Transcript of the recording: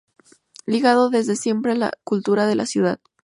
Ligado desde siempre a la cultura de la ciudad.